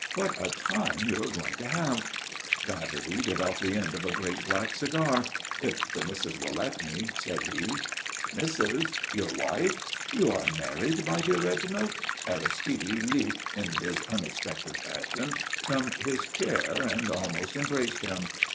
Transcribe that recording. What a time you are going to have!" Batterby bit off the end of a great black cigar. "If the missus will let me," said he. "Missus? Your wife? You are married, my dear Reginald?" Aristide leaped, in his unexpected fashion, from his chair and almost embraced him.